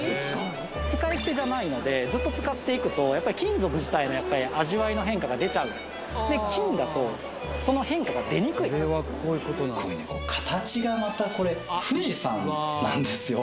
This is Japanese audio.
使い捨てじゃないのでずっと使っていくとやっぱり金属自体のやっぱり味わいの変化が出ちゃうで金だとその変化が出にくいこれね形がまたこれ富士山なんですよ